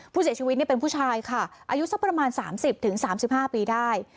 ผู้เสียชีวิตเป็นผู้ชายค่ะอายุสักประมาณ๓๐๓๕ปีได้